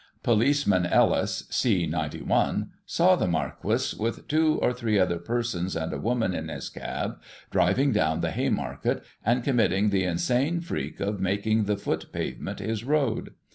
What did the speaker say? Policeman Ellis, C 91, saw the Marquis, with two or three other persons and a woman in his cab, driving down the Haymarket, and committing the insane freak of making the foot pavement his road.